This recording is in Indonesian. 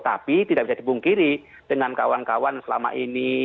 tapi tidak bisa dipungkiri dengan kawan kawan selama ini